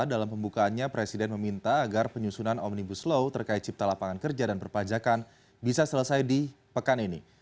dalam pembukaannya presiden meminta agar penyusunan omnibus law terkait cipta lapangan kerja dan perpajakan bisa selesai di pekan ini